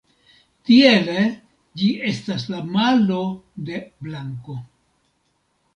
Tiele ĝi estas la malo de blanko.